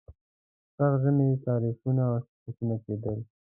د سخت ژمي تعریفونه او صفتونه کېدل.